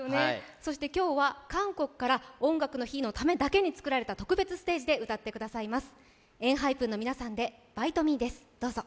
今日は韓国から「音楽の日」のためだけに作られた特別ステージで歌ってくださいます。